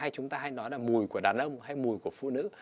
chúng ta hay nói là mùi của đàn ông hay mùi của phụ nữ